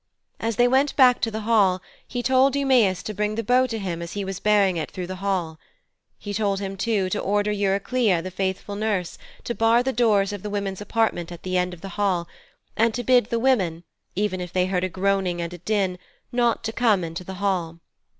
As they went back to the hall, he told Eumæus to bring the bow to him as he was bearing it through the hall. He told him, too, to order Eurycleia, the faithful nurse, to bar the doors of the women's apartment at the end of the hall, and to bid the women, even if they heard a groaning and a din, not to come into the hall.